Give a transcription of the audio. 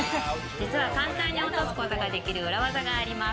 実は簡単に落とすことができる裏技があります。